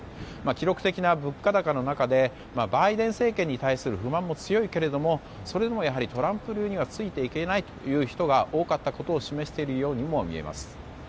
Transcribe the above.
記録的な物価高の中でバイデン政権に対する不満も強いけれどもそれでもトランプ流にはついていけないという人が多かったことを示しているようにも見えます。